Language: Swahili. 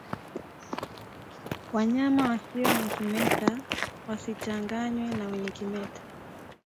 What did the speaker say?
Wanyama wasio na kimeta wasichanganwe na wenye kimeta